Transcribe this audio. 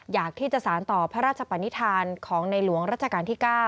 อยากที่จะสารต่อพระราชปนิษฐานของในหลวงรัชกาลที่๙